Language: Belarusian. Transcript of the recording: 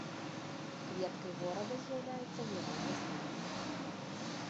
Кветкай горада з'яўляецца герань лясная.